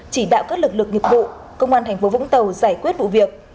chỉ đạo các lực lượng nghiệp vụ công an thành phố vũng tàu giải quyết vụ việc